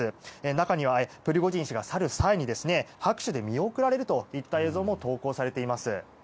中にはプリゴジン氏が去る際に拍手で見送られるといった映像も投稿されています。